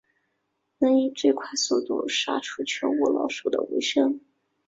能以最快速度杀除全窝老鼠的为胜。